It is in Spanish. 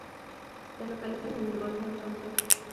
Se localizan en el Golfo de Fonseca.